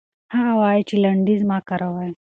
هغه وايي چې لنډيز مه کاروئ.